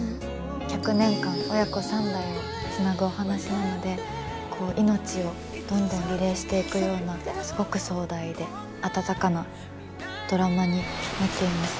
１００年間親子３代をつなぐお話なので命をどんどんリレーしていくようなすごく壮大で温かなドラマになっています。